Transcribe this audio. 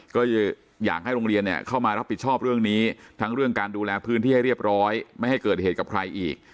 ก็เลยอยากให้โรงเรียนเข้ามารับผิดชอบเรื่องนี้ทั้งเรื่องการดูแลพื้นที่ให้เรียบร้อยไม่ให้เกิดเหตุกับใครอีก